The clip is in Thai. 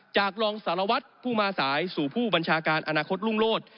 รองสารวัตรผู้มาสายสู่ผู้บัญชาการอนาคตรุ่งโลศ